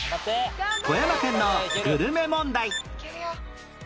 富山県のグルメ問題いけるよ！